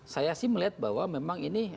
saya sih melihat bahwa memang ini